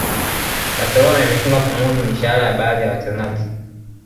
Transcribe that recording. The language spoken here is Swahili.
barcelona imeshindwa kuumudu mishahara ya baadhi ya wachezaji